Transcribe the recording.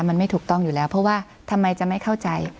มันไม่ถูกต้องอยู่แล้วเพราะว่าทำไมจะไม่เข้าใจ